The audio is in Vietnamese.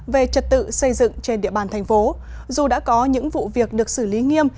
về trật tự xây dựng trên địa bàn thành phố dù đã có những vụ việc được xử lý nghiêm